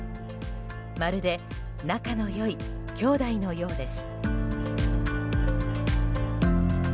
まるで仲の良い兄弟のようです。